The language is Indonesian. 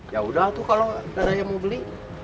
ya udah tuh kalau dada yang mau beli